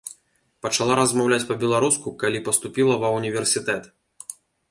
Пачала размаўляць па-беларуску, калі паступіла ва ўніверсітэт.